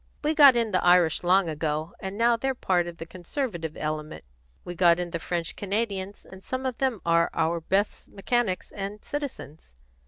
We got in the Irish long ago, and now they're part of the conservative element. We got in the French Canadians, and some of them are our best mechanics and citizens.